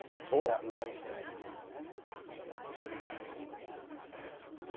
無駄にしてないって意味だよね？